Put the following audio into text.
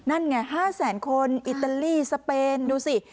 นั่นไง๕แสนคนอิตาลีสเปนดูสิ